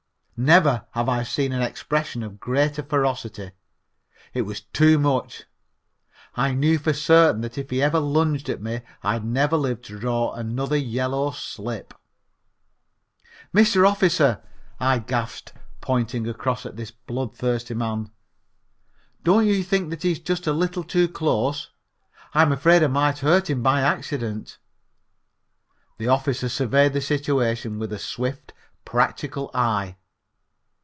Never have I seen an expression of greater ferocity. It was too much. I knew for certain that if he ever lunged at me I'd never live to draw another yellow slip. "Mister Officer," I gasped, pointing across at this blood thirsty man, "don't you think that he's just a little too close? I'm afraid I might hurt him by accident." The officer surveyed the situation with a swift, practical eye.